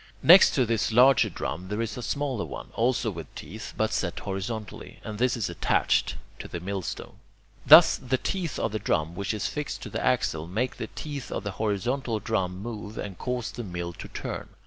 Next to this larger drum there is a smaller one, also with teeth, but set horizontally, and this is attached (to the millstone). Thus the teeth of the drum which is fixed to the axle make the teeth of the horizontal drum move, and cause the mill to turn.